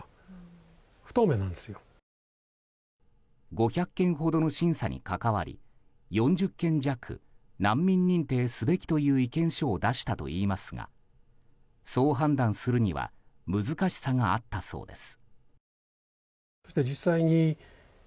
５００件ほどの審査に関わり４０件弱難民認定すべきという意見書を出したといいますがそう判断するには難しさがあったそうです。